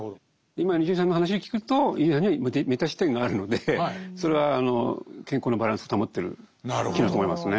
今の伊集院さんの話を聞くと伊集院さんにはメタ視点があるのでそれは健康のバランスを保ってる機能だと思いますね。